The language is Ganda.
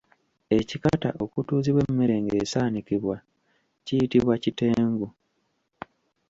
Ekikata okutuuzibwa emmere ng’esaanikibwa kiyitibwa Kitengu.